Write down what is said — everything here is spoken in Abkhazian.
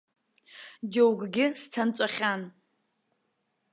Џьоукгьы сҭанҵәахьан!